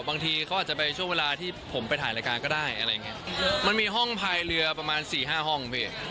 บางทีเขาอาจจะไปช่วงเวลาที่ผมไปถ่ายรายการก็ได้อะไรอย่างเงี้ยมันมีห้องพายเรือประมาณสี่ห้าห้องพี่